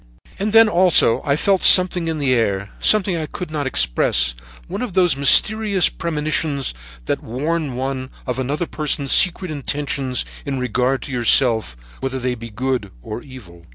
"And then also I felt something in the air, something I could not express, one of those mysterious premonitions that warn one of another person's secret intentions in regard to yourself, whether they be good or evil.